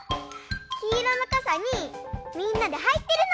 きいろのかさにみんなではいってるの。